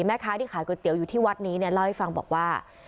แม่ค้าที่ขายก๋วยเตี๋ยวอยู่ที่วัดนี้เนี่ยเล่าให้ฟังบอกว่า